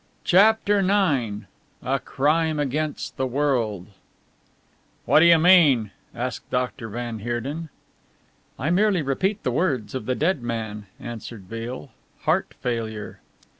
CHAPTER IX A CRIME AGAINST THE WORLD "What do you mean?" asked Dr. van Heerden. "I merely repeat the words of the dead man," answered Beale, "heart failure!"